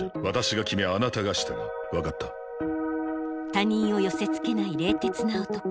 他人を寄せつけない冷徹な男。